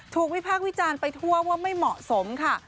วิพากษ์วิจารณ์ไปทั่วว่าไม่เหมาะสมค่ะ